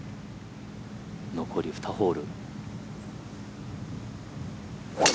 残り２ホール。